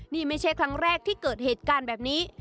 นี่ไม่ใช่ครั้งแรกที่เกิดเหตุการณ์แบบนี้